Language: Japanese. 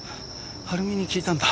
晴美に聞いたんだ。